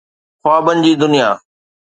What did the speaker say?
خوابن جي دنيا.